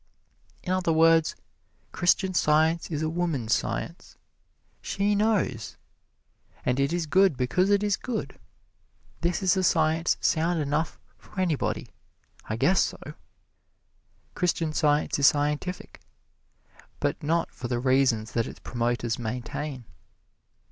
In other words, Christian Science is a woman's science she knows! And it is good because it is good this is a science sound enough for anybody I guess so! Christian Science is scientific, but not for the reasons that its promoters maintain.